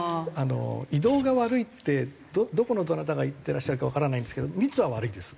移動が悪いってどこのどなたが言ってらっしゃるかわからないんですけど密は悪いです。